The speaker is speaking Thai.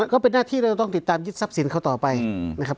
ก็เป็นหน้าที่เราต้องติดตามยึดทรัพย์สินเขาต่อไปนะครับ